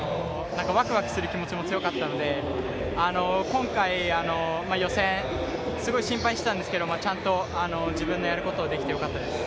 ワクワクする気持ちも強かったので、今回、予選、すごく心配してたんですけど、ちゃんと自分のやることができてよかったです。